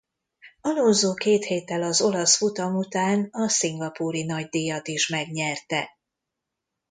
Alonso két héttel az olasz futam után a szingapúri nagydíjat is megnyerte.